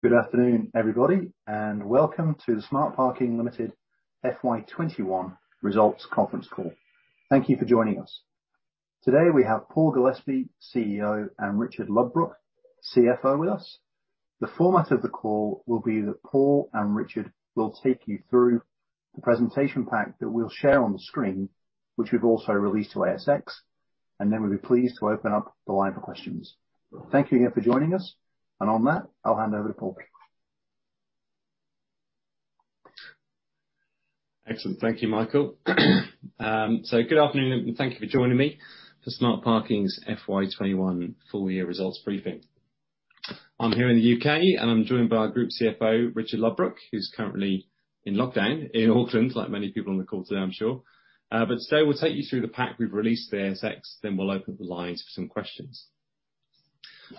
Good afternoon, everybody, and welcome to the Smart Parking Limited FY 2021 Results Conference Call. Thank you for joining us. Today, we have Paul Gillespie, CEO, and Richard Ludbrook, CFO, with us. The format of the call will be that Paul and Richard will take you through the presentation pack that we'll share on the screen, which we've also released to ASX, and then we'll be pleased to open up the line for questions. Thank you again for joining us. On that, I'll hand over to Paul. Excellent. Thank you, Michael. Good afternoon, and thank you for joining me for Smart Parking's FY 2021 full year results briefing. I'm here in the U.K., and I'm joined by our Group CFO, Richard Ludbrook, who's currently in lockdown in Auckland, like many people on the call today, I'm sure. Today, we'll take you through the pack we've released to the ASX, then we'll open the lines for some questions.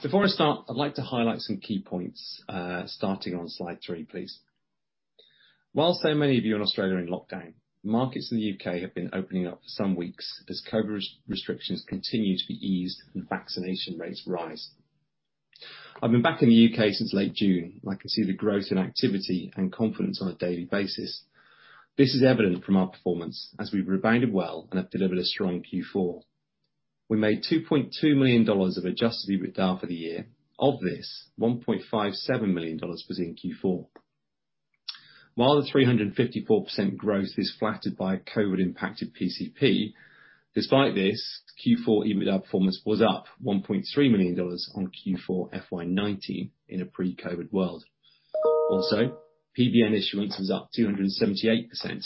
Before I start, I'd like to highlight some key points, starting on slide three, please. While so many of you in Australia are in lockdown, markets in the U.K. have been opening up for some weeks as COVID restrictions continue to be eased and vaccination rates rise. I've been back in the U.K. since late June. I can see the growth in activity and confidence on a daily basis. This is evident from our performance as we've rebounded well and have delivered a strong Q4. We made 2.2 million dollars of adjusted EBITDA for the year. Of this, 1.57 million dollars was in Q4. While the 354% growth is flattered by a COVID-impacted PCP, despite this, Q4 EBITDA performance was up 1.3 million dollars on Q4 FY 2019 in a pre-COVID world. PBN issuance was up 278%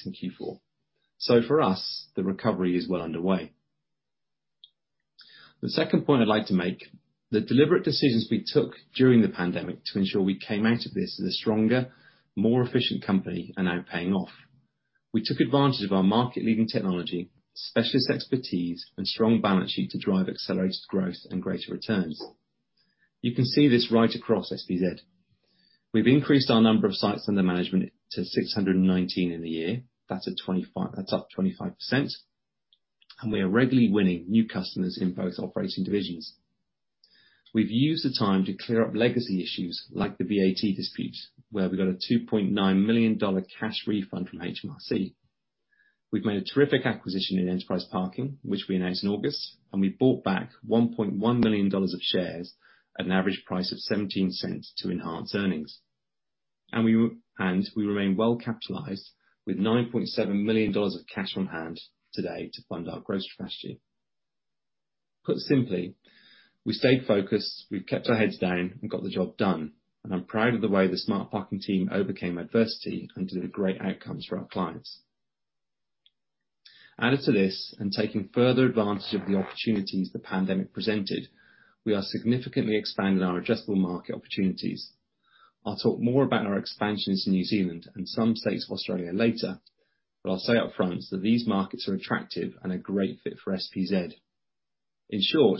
in Q4. For us, the recovery is well underway. The second point I'd like to make, the deliberate decisions we took during the pandemic to ensure we came out of this as a stronger, more efficient company are now paying off. We took advantage of our market-leading technology, specialist expertise, and strong balance sheet to drive accelerated growth and greater returns. You can see this right across SPZ. We've increased our number of sites under management to 619 in the year. That's up 25%. We are regularly winning new customers in both operating divisions. We've used the time to clear up legacy issues like the VAT dispute, where we got a 2.9 million dollar cash refund from HMRC. We've made a terrific acquisition in Enterprise Parking, which we announced in August, and we bought back 1.1 million dollars of shares at an average price of 0.17 to enhance earnings. We remain well capitalized with 9.7 million dollars of cash on hand today to fund our growth strategy. Put simply, we stayed focused, we've kept our heads down and got the job done, and I'm proud of the way the Smart Parking team overcame adversity and delivered great outcomes for our clients. Added to this and taking further advantage of the opportunities the pandemic presented, we are significantly expanding our addressable market opportunities. I'll talk more about our expansions in New Zealand and some states of Australia later, but I'll say up front that these markets are attractive and a great fit for SPZ. In short,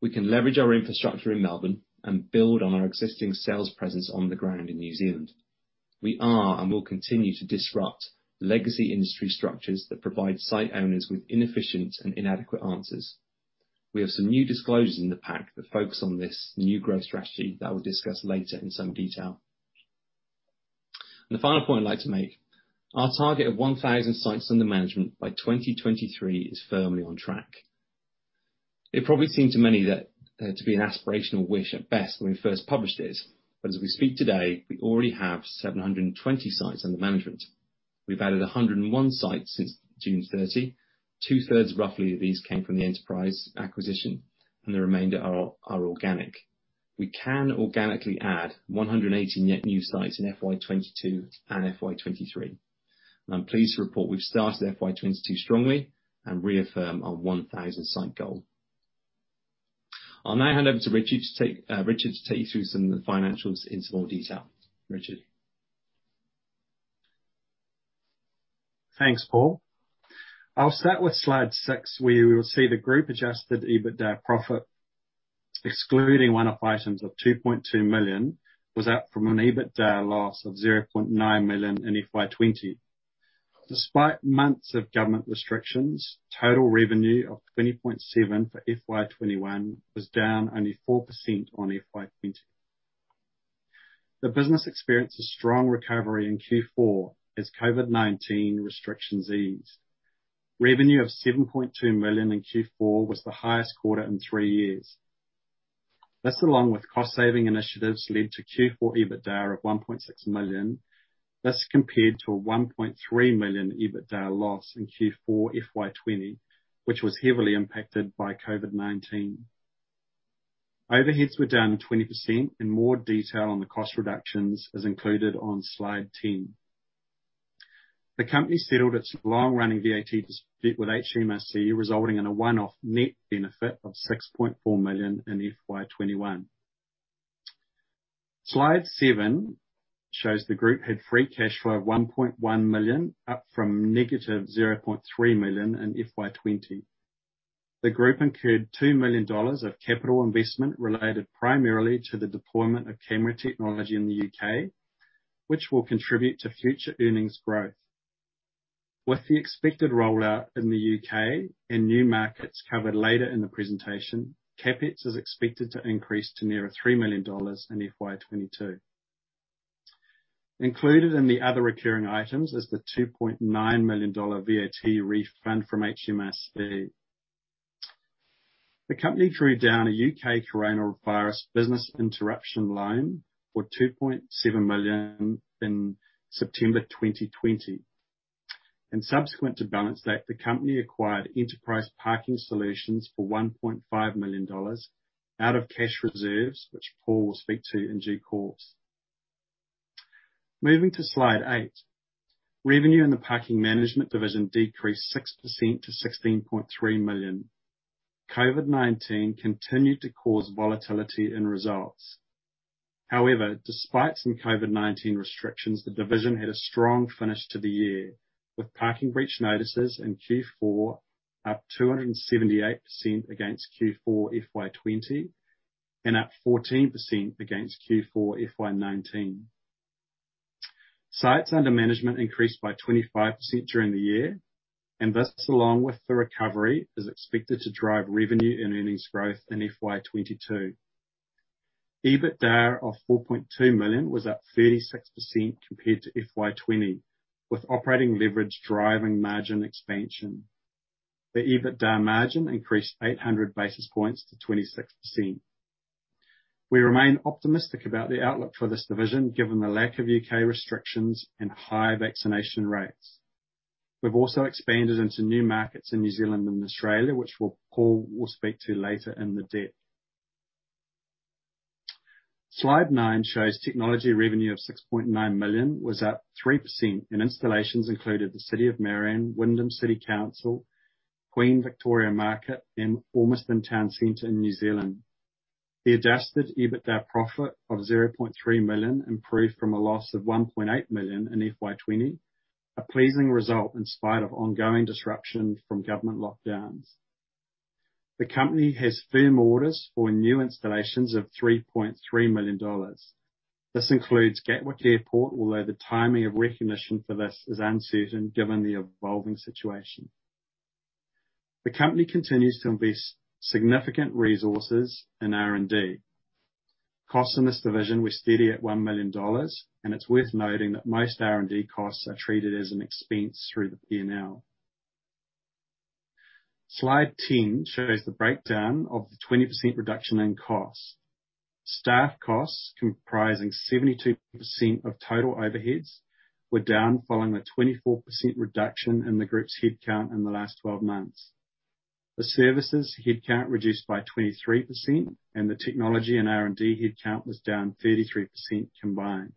we can leverage our infrastructure in Melbourne and build on our existing sales presence on the ground in New Zealand. We are and will continue to disrupt legacy industry structures that provide site owners with inefficient and inadequate answers. We have some new disclosures in the pack that focus on this new growth strategy that we'll discuss later in some detail. The final point I'd like to make. Our target of 1,000 sites under management by 2023 is firmly on track. It probably seemed to many to be an aspirational wish at best when we first published this, but as we speak today, we already have 720 sites under management. We've added 101 sites since June 30. 2/3, roughly, of these came from the Enterprise acquisition, and the remainder are organic. We can organically add 118 net new sites in FY 2022 and FY 2023. I'm pleased to report we've started FY 2022 strongly and reaffirm our 1,000 site goal. I'll now hand over to Richard to take you through some of the financials in some more detail. Richard? Thanks, Paul. I'll start with slide six, where we will see the group adjusted EBITDA profit, excluding one-off items of 2.2 million, was up from an EBITDA loss of 0.9 million in FY 2020. Despite months of government restrictions, total revenue of 20.7 for FY 2021 was down only 4% on FY 2020. The business experienced a strong recovery in Q4 as COVID-19 restrictions eased. Revenue of 7.2 million in Q4 was the highest quarter in three years. This, along with cost saving initiatives, led to Q4 EBITDA of 1.6 million. This compared to a 1.3 million EBITDA loss in Q4 FY 2020, which was heavily impacted by COVID-19. Overheads were down 20%. More detail on the cost reductions is included on slide 10. The company settled its long-running VAT dispute with HMRC, resulting in a one-off net benefit of 6.4 million in FY 2021. Slide seven shows the group had free cash flow of 1.1 million, up from -0.3 million in FY 2020. The group incurred 2 million dollars of capital investment related primarily to the deployment of camera technology in the U.K., which will contribute to future earnings growth. With the expected rollout in the U.K. and new markets covered later in the presentation, CapEx is expected to increase to near 3 million dollars in FY 2022. Included in the other recurring items is the 2.9 million dollar VAT refund from HMRC. The company drew down a U.K. Coronavirus Business Interruption Loan for 2.7 million in September 2020, and subsequent to balance date, the company acquired Enterprise Parking Solutions for 1.5 million dollars out of cash reserves, which Paul will speak to in due course. Moving to slide eight, revenue in the parking management division decreased 6% to 16.3 million. COVID-19 continued to cause volatility in results. However, despite some COVID-19 restrictions, the division had a strong finish to the year, with Parking Breach Notices in Q4 up 278% against Q4 FY 2020 and up 14% against Q4 FY 2019. This, along with the recovery, is expected to drive revenue and earnings growth in FY 2022. EBITDA of 4.2 million was up 36% compared to FY 2020, with operating leverage driving margin expansion. The EBITDA margin increased 800 basis points to 26%. We remain optimistic about the outlook for this division, given the lack of U.K. restrictions and high vaccination rates. We've also expanded into new markets in New Zealand and Australia, which Paul will speak to later in the deck. Slide 9 shows technology revenue of 6.9 million was up 3%, and installations included the City of Marion, Wyndham City Council, Queen Victoria Market, and Ormiston Town Centre in New Zealand. The adjusted EBITDA profit of 0.3 million improved from a loss of 1.8 million in FY 2020, a pleasing result in spite of ongoing disruption from government lockdowns. The company has firm orders for new installations of 3.3 million dollars. This includes Gatwick Airport, although the timing of recognition for this is uncertain given the evolving situation. The company continues to invest significant resources in R&D. Costs in this division were steady at 1 million dollars, and it's worth noting that most R&D costs are treated as an expense through the P&L. Slide 10 shows the breakdown of the 20% reduction in costs. Staff costs, comprising 72% of total overheads, were down following the 24% reduction in the group's headcount in the last 12 months. The services headcount reduced by 23%, and the technology and R&D headcount was down 33% combined.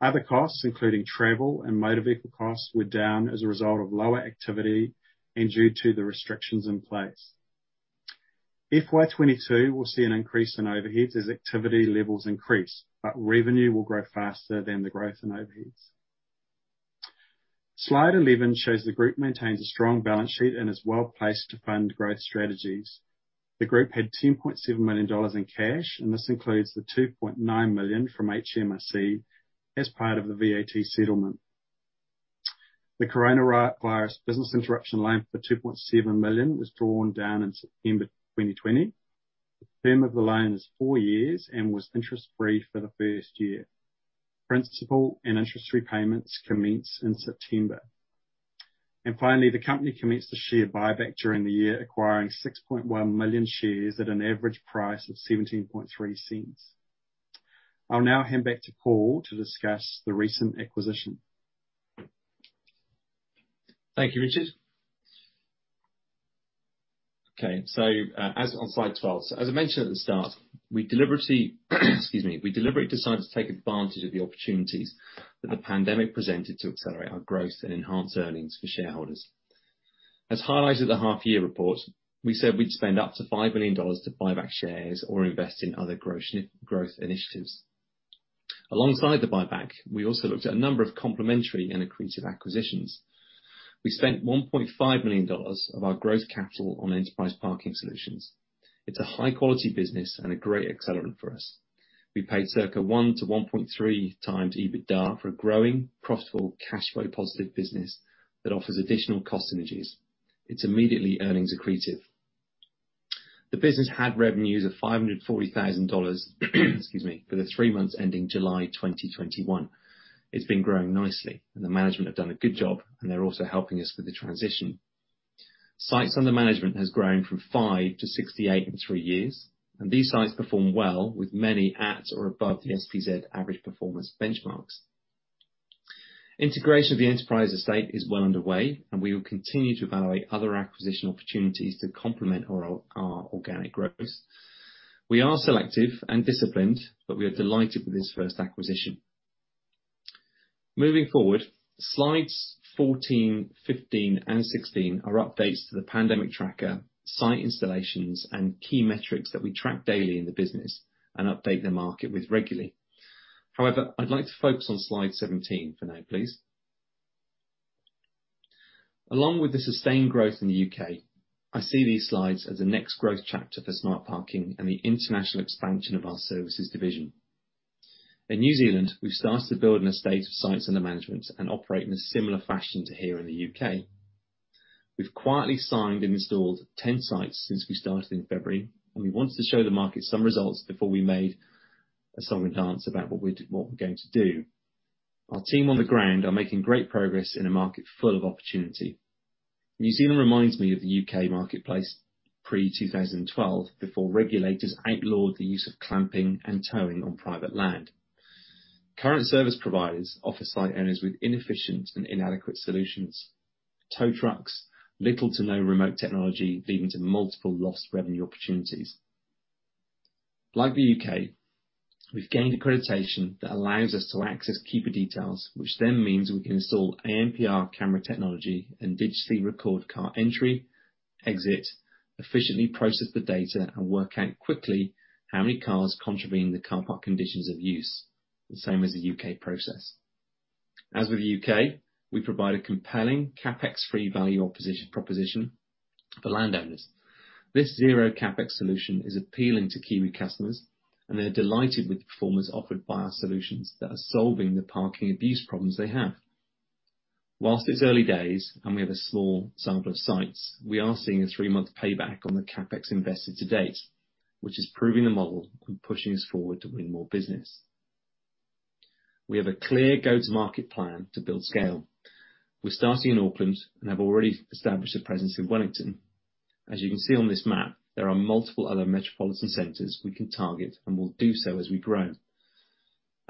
Other costs, including travel and motor vehicle costs, were down as a result of lower activity and due to the restrictions in place. FY 2022 will see an increase in overheads as activity levels increase, but revenue will grow faster than the growth in overheads. Slide 11 shows the group maintains a strong balance sheet and is well-placed to fund growth strategies. The group had 10.7 million dollars in cash, and this includes the 2.9 million from HMRC as part of the VAT settlement. The Coronavirus Business Interruption Loan for 2.7 million was drawn down in September 2020. The term of the loan is four years and was interest-free for the first year. Principal and interest repayments commence in September. Finally, the company commenced a share buyback during the year, acquiring 6.1 million shares at an average price of 0.173. I'll now hand back to Paul to discuss the recent acquisition. Thank you, Richard. Okay, as on slide 12, so as I mentioned at the start, excuse me, we deliberately decided to take advantage of the opportunities that the pandemic presented to accelerate our growth and enhance earnings for shareholders. As highlighted at the half year report, we said we'd spend up to 5 million dollars to buy back shares or invest in other growth initiatives. Alongside the buyback, we also looked at a number of complementary and accretive acquisitions. We spent 1.5 million dollars of our growth capital on Enterprise Parking Solutions. It's a high-quality business and a great accelerant for us. We paid circa 1x-1.3x EBITDA for a growing, profitable, cash flow positive business that offers additional cost synergies. It's immediately earnings accretive. The business had revenues of 540,000 dollars, excuse me, for the three months ending July 2021. It's been growing nicely, and the management have done a good job and they're also helping us with the transition. Sites under management has grown from five to 68 in three years, and these sites perform well with many at or above the SPZ average performance benchmarks. Integration of the Enterprise estate is well underway, and we will continue to evaluate other acquisition opportunities to complement our organic growth. We are selective and disciplined, but we are delighted with this first acquisition. Moving forward, slides 14, 15, and 16 are updates to the pandemic tracker, site installations, and key metrics that we track daily in the business and update the market with regularly. However, I'd like to focus on slide 17 for now, please. Along with the sustained growth in the U.K., I see these slides as the next growth chapter for Smart Parking and the international expansion of our services division. In New Zealand, we've started to build an estate of sites under management and operate in a similar fashion to here in the U.K. We've quietly signed and installed 10 sites since we started in February. We wanted to show the market some results before we made a song and dance about what we're going to do. Our team on the ground are making great progress in a market full of opportunity. New Zealand reminds me of the U.K. marketplace pre-2012, before regulators outlawed the use of clamping and towing on private land. Current service providers offer site owners with inefficient and inadequate solutions, tow trucks, little to no remote technology, leading to multiple lost revenue opportunities. The U.K., we've gained accreditation that allows us to access keeper details, which then means we can install ANPR camera technology and digitally record car entry, exit, efficiently process the data, and work out quickly how many cars contravene the car park conditions of use. The same as the U.K. process. As with the U.K., we provide a compelling CapEx-free value proposition for landowners. This zero CapEx solution is appealing to Kiwi customers, and they're delighted with the performance offered by our solutions that are solving the parking abuse problems they have. Whilst it's early days and we have a small sample of sites, we are seeing a three-month payback on the CapEx invested to date, which is proving the model and pushing us forward to win more business. We have a clear go-to-market plan to build scale. We're starting in Auckland and have already established a presence in Wellington. As you can see on this map, there are multiple other metropolitan centers we can target and will do so as we grow.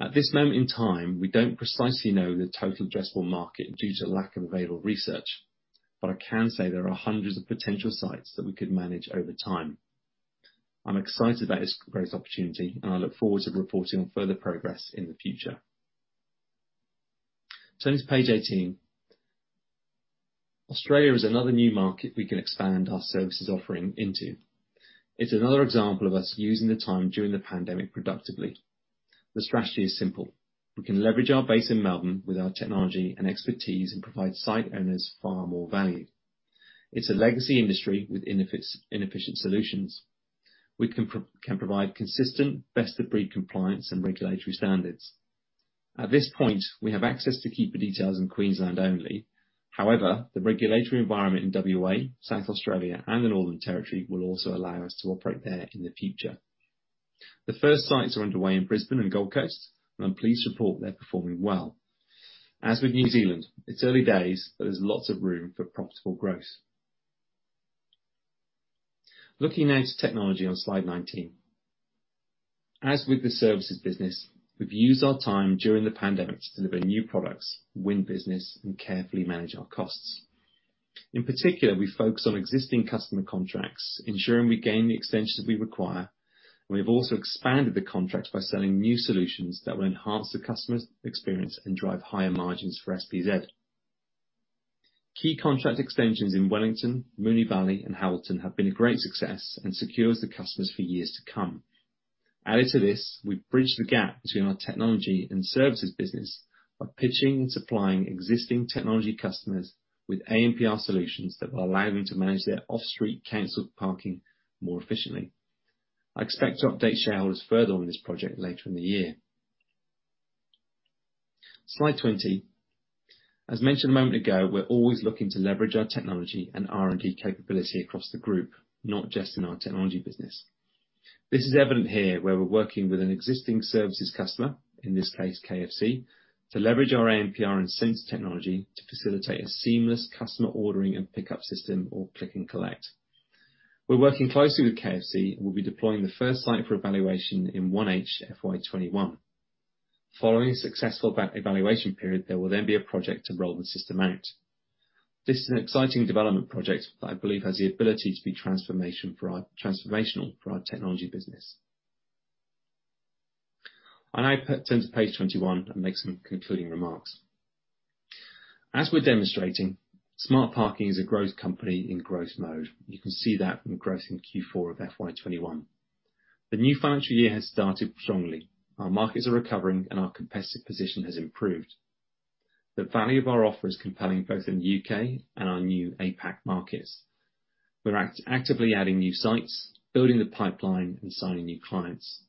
At this moment in time, we don't precisely know the total addressable market due to lack of available research, but I can say there are hundreds of potential sites that we could manage over time. I'm excited about this growth opportunity, and I look forward to reporting on further progress in the future. Turning to page 18. Australia is another new market we can expand our services offering into. It's another example of us using the time during the pandemic productively. The strategy is simple. We can leverage our base in Melbourne with our technology and expertise and provide site owners far more value. It's a legacy industry with inefficient solutions. We can provide consistent best-of-breed compliance and regulatory standards. At this point, we have access to keeper details in Queensland only. The regulatory environment in W.A., South Australia, and the Northern Territory will also allow us to operate there in the future. The first sites are underway in Brisbane and Gold Coast. I'm pleased to report they're performing well. As with New Zealand, it's early days. There's lots of room for profitable growth. Looking now to technology on slide 19. As with the services business, we've used our time during the pandemic to deliver new products, win business, and carefully manage our costs. In particular, we focus on existing customer contracts, ensuring we gain the extensions we require. We have also expanded the contract by selling new solutions that will enhance the customer's experience and drive higher margins for SPZ. Key contract extensions in Wellington, Moonee Valley, and Hamilton have been a great success and secures the customers for years to come. Added to this, we bridged the gap between our technology and services business by pitching and supplying existing technology customers with ANPR solutions that will allow them to manage their off-street council parking more efficiently. I expect to update shareholders further on this project later in the year. Slide 20. As mentioned a moment ago, we're always looking to leverage our technology and R&D capability across the group, not just in our technology business. This is evident here, where we're working with an existing services customer, in this case, KFC, to leverage our ANPR and sensor technology to facilitate a seamless customer ordering and pickup system or click and collect. We're working closely with KFC, and we'll be deploying the first site for evaluation in 1H FY 2021. Following a successful evaluation period, there will then be a project to roll the system out. This is an exciting development project that I believe has the ability to be transformational for our technology business. I turn to page 21 and make some concluding remarks. As we're demonstrating, Smart Parking is a growth company in growth mode. You can see that from growth in Q4 of FY 2021. The new financial year has started strongly. Our markets are recovering, and our competitive position has improved. The value of our offer is compelling both in the U.K. and our new APAC markets. We're actively adding new sites, building the pipeline, and signing new clients.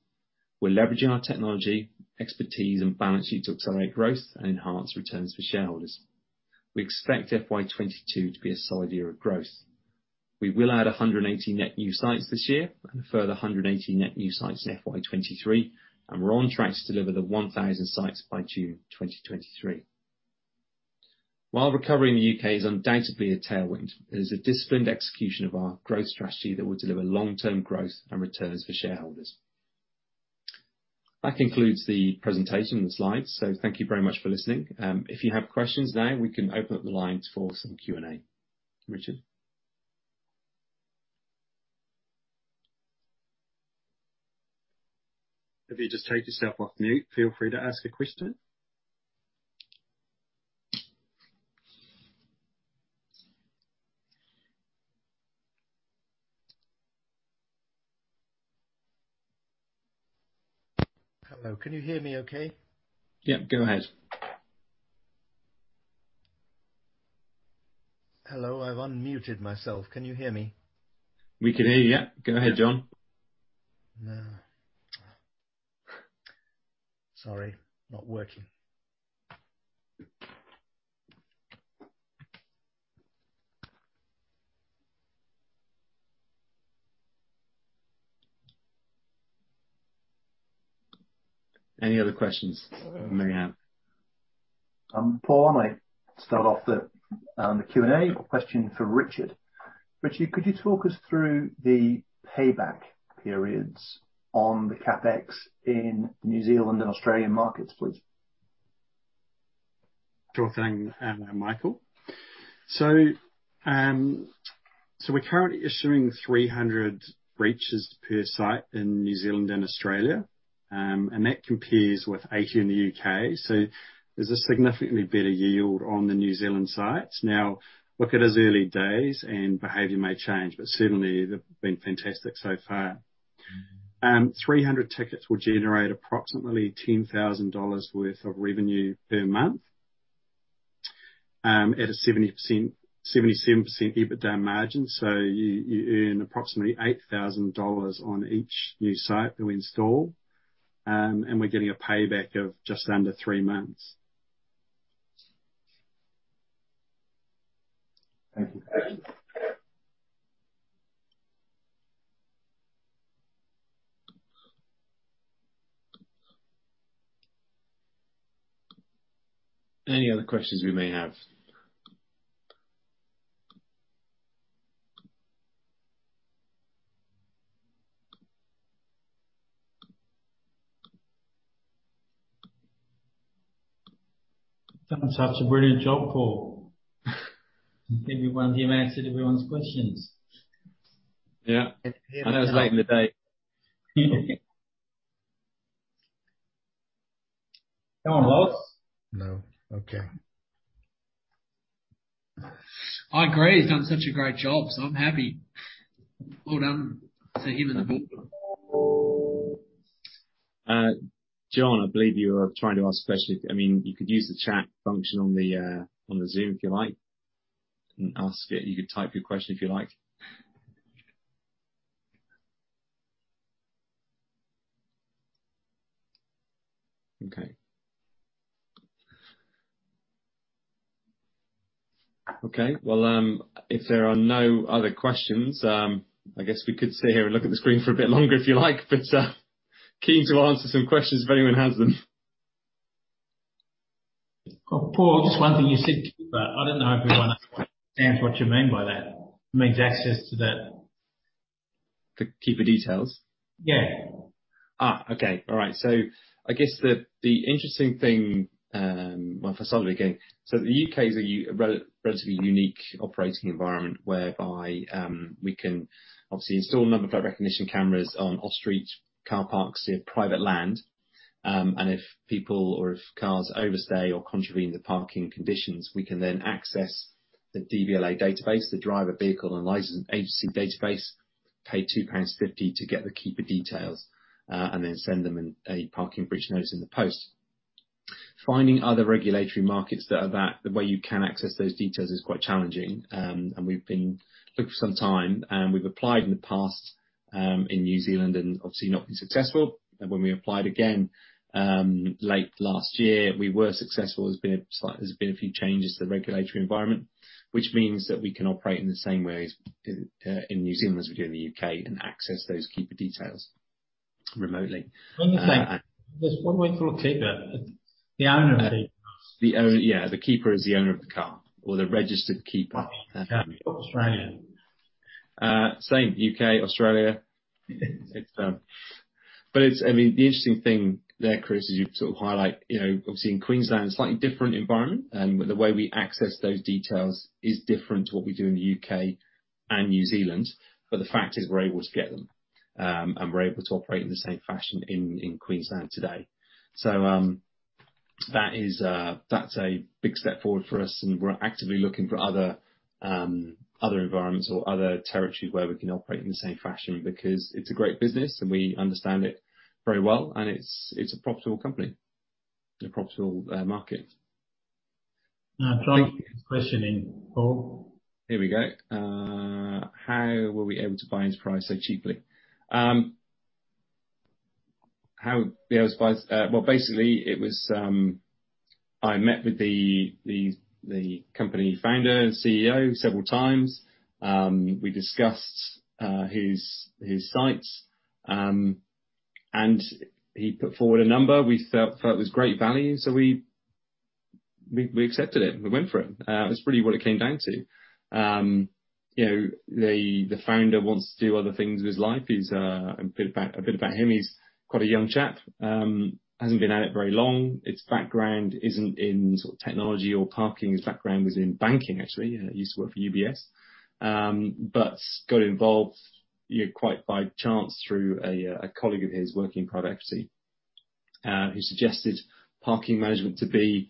We're leveraging our technology, expertise, and balance sheet to accelerate growth and enhance returns for shareholders. We expect FY 2022 to be a solid year of growth. We will add 180 net new sites this year and a further 180 net new sites in FY 2023. We're on track to deliver the 1,000 sites by June 2023. While recovery in the U.K. is undoubtedly a tailwind, it is a disciplined execution of our growth strategy that will deliver long-term growth and returns for shareholders. That concludes the presentation and the slides. Thank you very much for listening. If you have questions now, we can open up the lines for some Q&A. Richard? If you just take yourself off mute, feel free to ask a question. Hello. Can you hear me okay? Yep, go ahead. Hello, I've unmuted myself. Can you hear me? We can hear you, yeah. Go ahead, John. No. Sorry, not working. Any other questions we may have? Paul, I might start off the Q&A. A question for Richard. Richard, could you talk us through the payback periods on the CapEx in New Zealand and Australian markets, please? Sure thing, Michael. We're currently issuing 300 breaches per site in New Zealand and Australia, and that compares with 80 in the U.K. There's a significantly better yield on the New Zealand sites. It is early days and behavior may change, but certainly they've been fantastic so far. 300 tickets will generate approximately 10,000 dollars worth of revenue per month, at a 77% EBITDA margin. You earn approximately 8,000 dollars on each new site that we install, and we're getting a payback of just under three months. Thank you. Any other questions we may have? You've done such a brilliant job, Paul. Maybe one of you answered everyone's questions. Yeah. I know it's late in the day. Come on, boss. No. Okay. I agree, he's done such a great job. I'm happy. Well done to him and the board. John, I believe you were trying to ask a question. You could use the chat function on the Zoom if you like and ask it. You could type your question if you like. Okay. Well, if there are no other questions, I guess we could sit here and look at the screen for a bit longer if you like, but keen to answer some questions if anyone has them. Paul, just one thing you said, keeper. I don't know if everyone understands what you mean by that. The keeper details? Yeah. Okay. All right. If I start at the beginning. The U.K. is a relatively unique operating environment whereby we can obviously install number plate recognition cameras on off-street car parks in private land. If people or if cars overstay or contravene the parking conditions, we can then access the DVLA database, the Driver and Vehicle Licensing Agency database, pay 2.50 to get the keeper details, and then send them a Parking Breach Notice in the post. Finding other regulatory markets where you can access those details is quite challenging. We've been looking for some time, and we've applied in the past, in New Zealand and obviously not been successful. When we applied again, late last year, we were successful. There's been a few changes to the regulatory environment, which means that we can operate in the same way in New Zealand as we do in the U.K. and access those keeper details remotely. Let me think. There's one way to locate that, the owner of the car. Yeah. The keeper is the owner of the car, or the registered keeper. Australia. Same, U.K., Australia. The interesting thing there, Chris, is you sort of highlight, obviously in Queensland, slightly different environment. The way we access those details is different to what we do in the U.K. and New Zealand. The fact is, we're able to get them. We're able to operate in the same fashion in Queensland today. That's a big step forward for us, and we're actively looking for other environments or other territories where we can operate in the same fashion, because it's a great business, and we understand it very well, and it's a profitable company, a profitable market. I'm trying to get this question in, Paul. Here we go. How were we able to buy into Enterprise so cheaply? Well, basically I met with the company founder and CEO several times. We discussed his sites, and he put forward a number. We felt it was great value, so we accepted it. We went for it. It's really what it came down to. The founder wants to do other things with his life. A bit about him, he's quite a young chap. Hasn't been at it very long. His background isn't in technology or parking. His background was in banking, actually. He used to work for UBS. Got involved quite by chance through a colleague of his working in private equity, who suggested parking management to be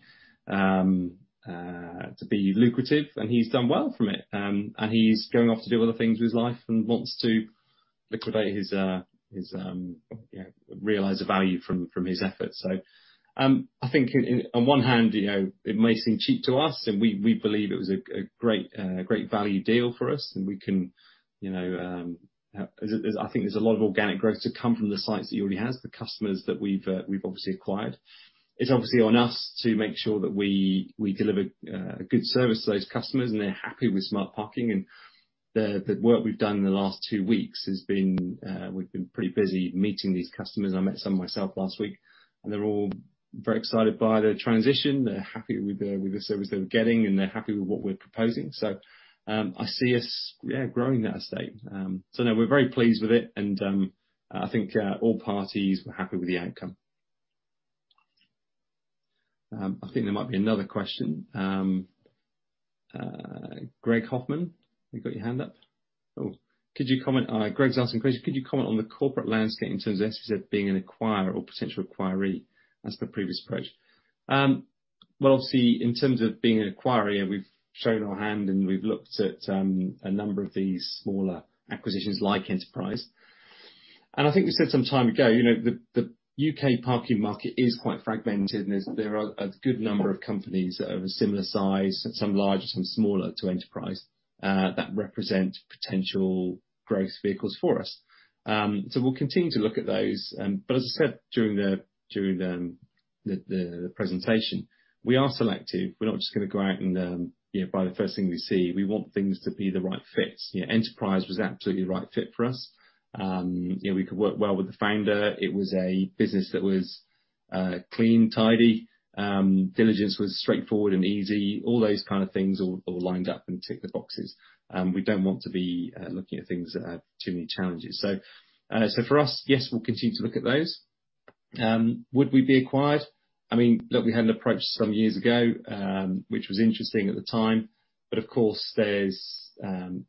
lucrative, and he's done well from it. He's going off to do other things with his life and wants to realize the value from his efforts. I think on one hand, it may seem cheap to us, and we believe it was a great value deal for us and I think there's a lot of organic growth to come from the sites that he already has, the customers that we've obviously acquired. It's obviously on us to make sure that we deliver a good service to those customers and they're happy with Smart Parking. The work we've done in the last two weeks, we've been pretty busy meeting these customers. I met some myself last week, and they're all very excited by the transition. They're happy with the service they were getting, and they're happy with what we're proposing. I see us growing that estate. No, we're very pleased with it, and I think all parties were happy with the outcome. I think there might be another question. Greg Hoffman, you've got your hand up? Oh, Greg's asking a question: Could you comment on the corporate landscape in terms of SPZ being an acquirer or potential acquiree as the previous approach? Obviously, in terms of being an acquirer, we've shown our hand, and we've looked at a number of these smaller acquisitions like Enterprise. I think we said some time ago, the U.K. parking market is quite fragmented, and there are a good number of companies that are of a similar size, some larger, some smaller, to Enterprise, that represent potential growth vehicles for us. We'll continue to look at those. As I said during the presentation, we are selective. We're not just going to go out and buy the first thing we see. We want things to be the right fit. Enterprise was absolutely the right fit for us. We could work well with the founder. It was a business that was clean, tidy. Diligence was straightforward and easy. All those kind of things all lined up and ticked the boxes. We don't want to be looking at things that have too many challenges. For us, yes, we'll continue to look at those. Would we be acquired? Look, we had an approach some years ago, which was interesting at the time. Of course, we're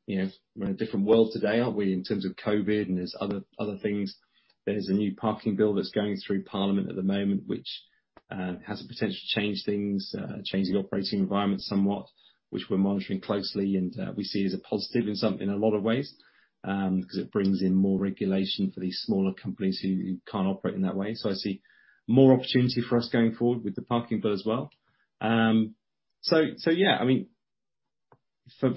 in a different world today, aren't we, in terms of COVID and there's other things. There's a new parking bill that's going through Parliament at the moment, which has the potential to change things, change the operating environment somewhat, which we're monitoring closely and we see as a positive in a lot of ways, because it brings in more regulation for these smaller companies who can't operate in that way. I see more opportunity for us going forward with the parking bill as well. Yeah,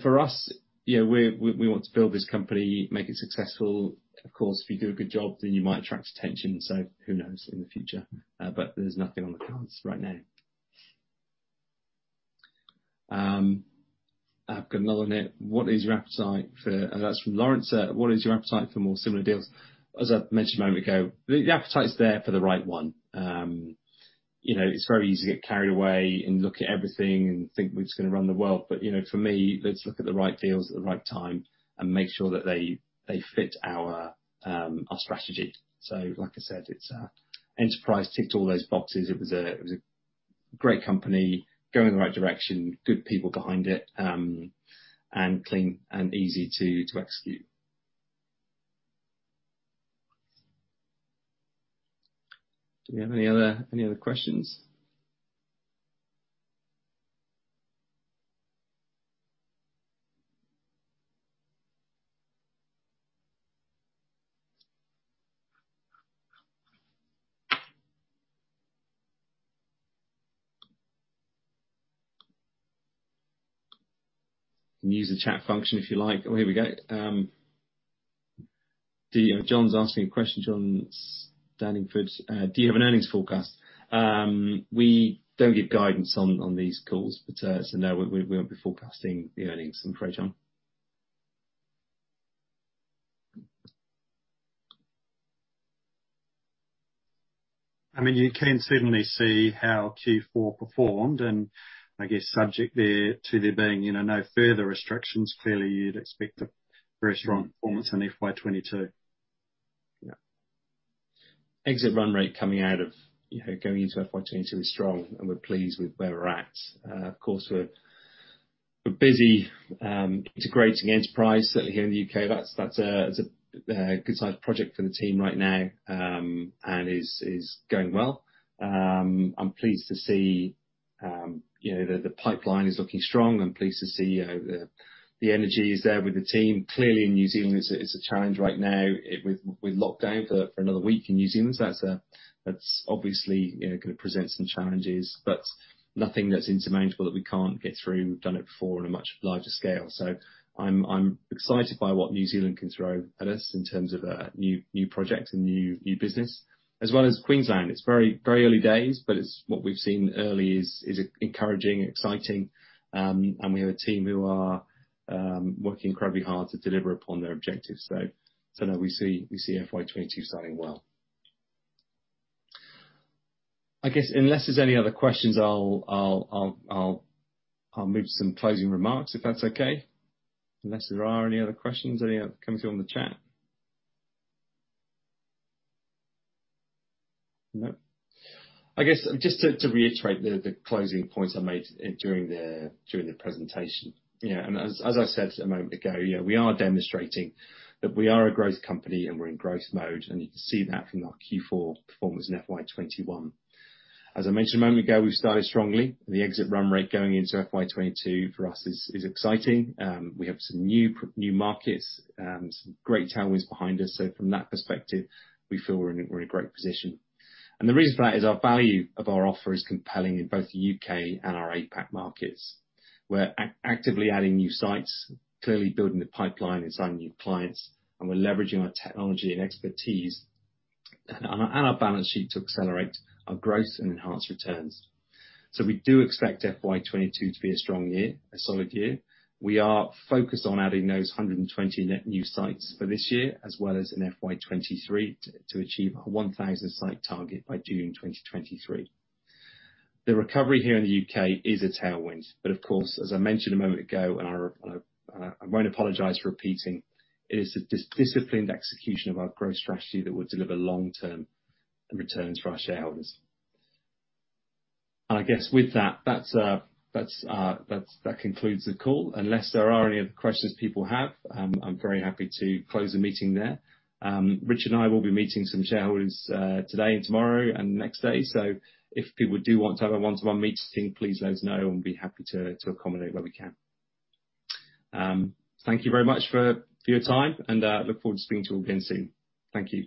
for us, we want to build this company, make it successful. Of course, if you do a good job, then you might attract attention. Who knows in the future. There's nothing on the cards right now. I've got another one here. That's from Lawrence: What is your appetite for more similar deals? As I mentioned a moment ago, the appetite is there for the right one. It's very easy to get carried away and look at everything and think we're just going to run the world. For me, let's look at the right deals at the right time and make sure that they fit our strategy. Like I said, Enterprise ticked all those boxes. It was a great company, going in the right direction, good people behind it, and clean and easy to execute. Do we have any other questions? You can use the chat function if you like. Here we go. John's asking a question. Do you have an earnings forecast? We don't give guidance on these calls. No, we won't be forecasting the earnings, I'm afraid, John. You can certainly see how Q4 performed, and I guess subject to there being no further restrictions, clearly you'd expect a very strong performance in FY 2022. Exit run rate going into FY 2022 is strong, and we're pleased with where we're at. Of course, we're busy integrating Enterprise, certainly here in the U.K. That's a good-sized project for the team right now, and is going well. I'm pleased to see that the pipeline is looking strong and pleased to see the energy is there with the team. Clearly in New Zealand it's a challenge right now. We've locked down for another week in New Zealand. That's obviously going to present some challenges, but nothing that's insurmountable that we can't get through. We've done it before on a much larger scale. I'm excited by what New Zealand can throw at us in terms of new projects and new business, as well as Queensland. It's very early days, what we've seen early is encouraging, exciting, and we have a team who are working incredibly hard to deliver upon their objectives. No, we see FY 2022 starting well. I guess unless there's any other questions, I'll move to some closing remarks, if that's okay. Unless there are any other questions, any coming through on the chat? No. I guess just to reiterate the closing points I made during the presentation. As I said a moment ago, we are demonstrating that we are a growth company and we're in growth mode, and you can see that from our Q4 performance in FY 2021. As I mentioned a moment ago, we've started strongly. The exit run rate going into FY 2022 for us is exciting. We have some new markets, some great tailwinds behind us. From that perspective, we feel we're in a great position. The reason for that is our value of our offer is compelling in both the U.K. and our APAC markets. We're actively adding new sites, clearly building the pipeline and signing new clients, and we're leveraging our technology and expertise and our balance sheet to accelerate our growth and enhance returns. We do expect FY 2022 to be a strong year, a solid year. We are focused on adding those 120 net new sites for this year, as well as in FY 2023, to achieve our 1,000 site target by June 2023. The recovery here in the U.K. is a tailwind. Of course, as I mentioned a moment ago, and I won't apologize for repeating, it is the disciplined execution of our growth strategy that will deliver long-term returns for our shareholders. I guess with that concludes the call. Unless there are any other questions people have, I'm very happy to close the meeting there. Rich and I will be meeting some shareholders today and tomorrow and the next day. If people do want to have a one-to-one meeting, please let us know and we'll be happy to accommodate where we can. Thank you very much for your time, and look forward to speaking to you all again soon. Thank you.